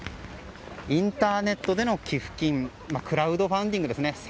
インターネットでの寄付金クラウドファンディングですね。